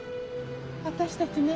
私たちね